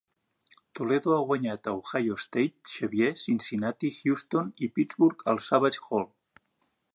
Toledo ha guanyat a Ohio State, Xavier, Cincinnati, Houston i Pittsburgh al Savage Hall.